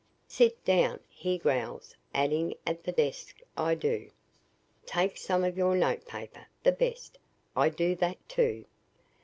"'Sit down!' he growls, adding, 'at the desk.' I do. "'Take some of your notepaper the best.' I do that, too.